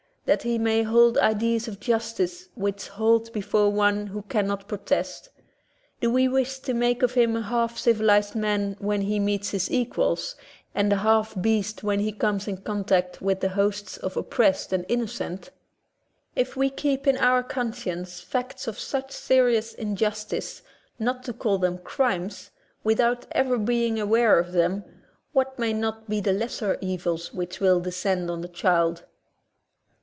That he may hold ideas of justice which halt before one who cannot protest? Do we wish to make of him a half civilized man, when he meets his equals, and a half beast when he comes in contact with the hosts of oppressed and inno cent? If we keep in our conscience facts of such serious injustice, not to call them crimes. without ever being aware of them, what may not be the lesser evils which will descend on the child?